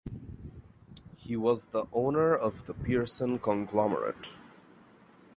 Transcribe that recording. He was the owner of the Pearson conglomerate.